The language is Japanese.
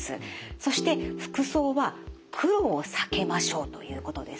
そして服装は黒を避けましょうということですね。